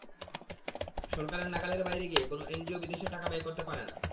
সরকারের নাগালের বাইরে গিয়ে কোনো এনজিও বিদেশের টাকা ব্যয় করতে পারে না।